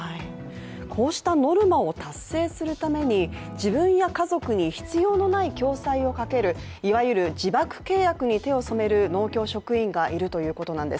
こうしたノルマを達成するために、自分や家族に必要のない共済をかけるいわゆる自爆契約に手を染める農協職員がいるということなんです。